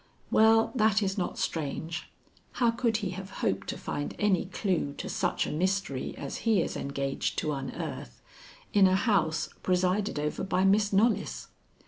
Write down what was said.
"Well, that is not strange. How could he have hoped to find any clue to such a mystery as he is engaged to unearth, in a house presided over by Miss Knollys?"